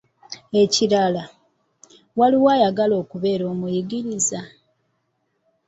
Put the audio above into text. Ekirala, waliwo ayagala okubeera omuyigiriza.